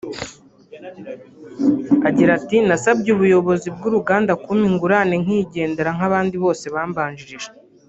Agira ati “ Nasabye ubuyobozi bw’uruganda kumpa ingurane nk’igendera nk’abandi bose bambanjirije